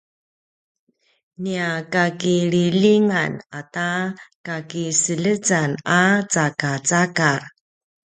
nia kakililjingan ata kakiseljecan a “cakacakar”